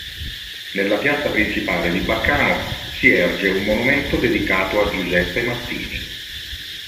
Nella piazza principale di Baccano, si erge un monumento dedicato a Giuseppe Mazzini.